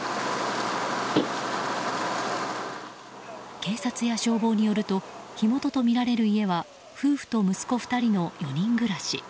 警察や消防によると火元とみられる家は夫婦と息子２人の４人暮らし。